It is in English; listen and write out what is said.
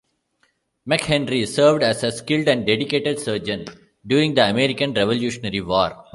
McHenry served as a skilled and dedicated surgeon during the American Revolutionary War.